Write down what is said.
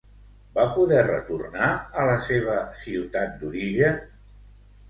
Va poder retornar a la seva ciutat d'origen?